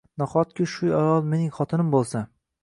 Nahotki, shu ayol mening xotinim bo'lsa